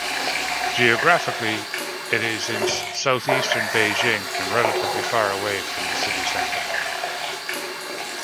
Geographically, it is in southeastern Beijing and relatively far away from the city centre.